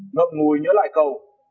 ngậm ngùi nhớ lại cầu